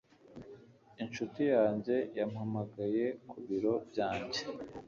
Inshuti yanjye yampamagaye ku biro byanjye.